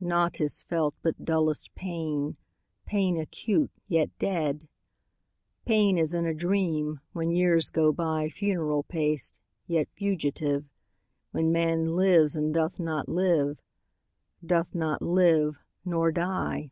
Naught is felt but dullest pain, Pain acute, yet dead; Pain as in a dream, When years go byFuneral paced, yet fugitive, When man lives, and doth not live, Doth not live—nor die.